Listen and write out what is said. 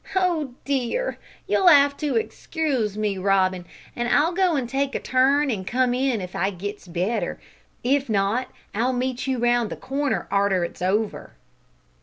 Oh, dear! you'll 'ave to excuge me, Robin. I'll go an' take a turn, an' come in if I gits better. If not, I'll meet you round the corner arter it's over."